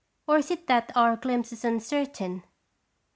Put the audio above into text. Or is it that our glimpse is uncertain?"